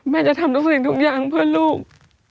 จะทำทุกสิ่งทุกอย่างเพื่อลูก